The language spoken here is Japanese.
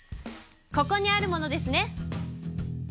ここにあるものですね。